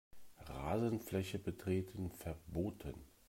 Rasenfläche betreten verboten.